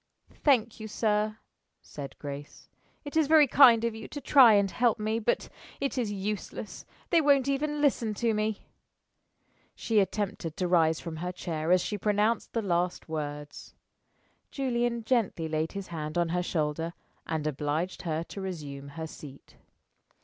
"Thank you, sir," said Grace. "It is very kind of you to try and help me, but it is useless. They won't even listen to me." She attempted to rise from her chair as she pronounced the last words. Julian gently laid his hand on her shoulder and obliged her to resume her seat.